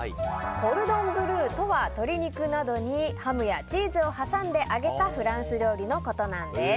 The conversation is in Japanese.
コルドンブルーとは鶏肉などにハムやチーズを挟んで揚げたフランス料理のことなんです。